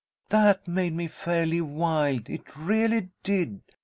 "That made me fairly wild it really did.